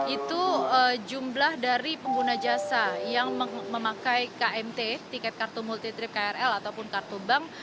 itu jumlah dari pengguna jasa yang memakai kmt tiket kartu multi trip krl ataupun kartu bank